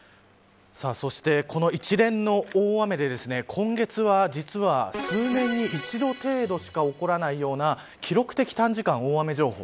そして、この一連の大雨で今月は実は数年に一度程度しか起こらないような記録的短時間大雨情報。